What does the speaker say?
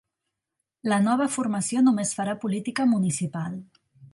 La nova formació només farà política municipal